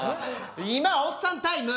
今おっさんタイム。